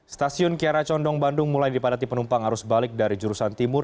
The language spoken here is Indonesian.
stasiun kiara condong bandung mulai dipadati penumpang arus balik dari jurusan timur